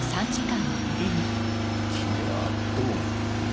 君はどう思う？